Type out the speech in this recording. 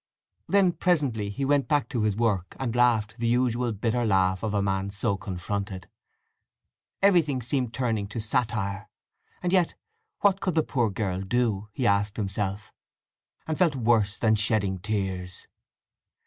Then presently he went back to his work and laughed the usual bitter laugh of a man so confronted. Everything seemed turning to satire. And yet, what could the poor girl do? he asked himself, and felt worse than shedding tears.